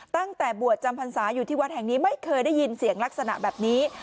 ตั้งแต่บวชจำพรรษาอยู่ที่วัดแห่งนี้ไม่เคยได้ยินเสียงลักษณะแบบนี้